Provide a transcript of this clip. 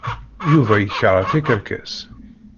Yuba yekṛeh tikerkas.